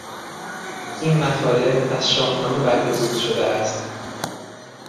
این مطالب از شاهنامه برگزیده شده است.